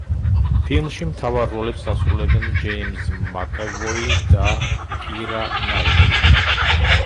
ფილმში მთავარ როლებს ასრულებენ ჯეიმზ მაკევოი და კირა ნაიტლი.